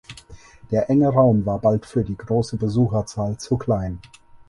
Der enge Raum war bald für die grosse Besucherzahl zu klein.